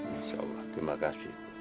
insya allah terima kasih